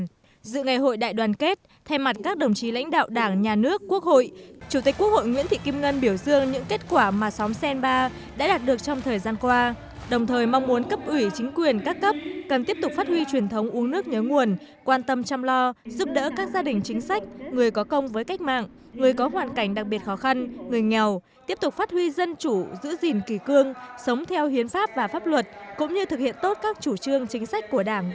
khi dự ngày hội đại đoàn kết theo mặt các đồng chí lãnh đạo đảng nhà nước quốc hội chủ tịch quốc hội nguyễn thị kim ngân biểu dương những kết quả mà xóm senba đã đạt được trong thời gian qua đồng thời mong muốn cấp ủy chính quyền các cấp cần tiếp tục phát huy truyền thống uống nước nhớ nguồn quan tâm chăm lo giúp đỡ các gia đình chính sách người có công với cách mạng người có hoàn cảnh đặc biệt khó khăn người nghèo tiếp tục phát huy dân chủ giữ gìn kỳ cương sống theo hiến pháp và pháp luật cũng như thực hiện tốt các chủ trương chính sách của đảng